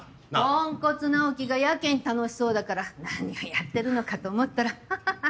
ポンコツ尚希がやけに楽しそうだから何をやってるのかと思ったらハハハ。